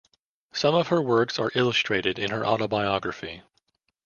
Some of her works are illustrated in her autobiography.